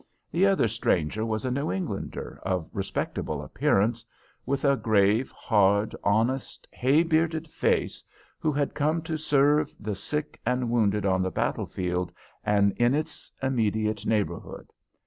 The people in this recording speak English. The other stranger was a New Englander of respectable appearance, with a grave, hard, honest, hay bearded face, who had come to serve the sick and wounded on the battle field and in its immediate neighborhood.